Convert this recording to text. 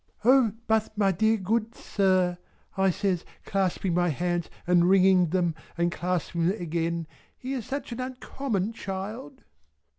"O but my dear good sir" I says clasping my hands and wringing them and clasping them again "he is such an uncommon child!"